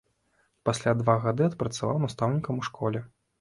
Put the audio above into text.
Пасля два гады адпрацаваў настаўнікам у школе.